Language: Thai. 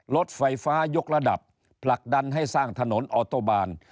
รถไฟฟ้ายกระดับผลักดันให้สร้างถนนออโตบาน